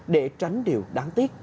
để tránh điều đáng tiếc